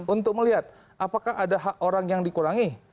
untuk melihat apakah ada hak orang yang dikurangi